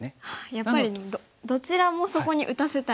やっぱりどちらもそこに打たせたい。